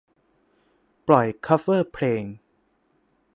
ปล่อยคัฟเวอร์เพลง